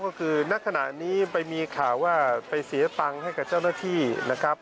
ก็คือนักขณะนี้ไปมีข่าวว่าไปเสียตังค์ให้กับเจ้าหน้าที่นะครับ